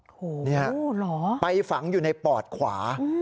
โอ้โฮหรอนี่ครับไปฝังอยู่ในปอดขวา